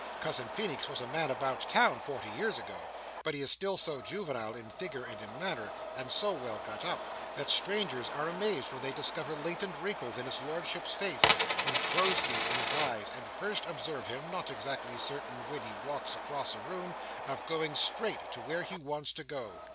Cousin Feenix was a man about town, forty years ago; but he is still so juvenile in figure and in manner, and so well got up, that strangers are amazed when they discover latent wrinkles in his lordship's face, and crows' feet in his eyes: and first observe him, not exactly certain when he walks across a room, of going quite straight to where he wants to go.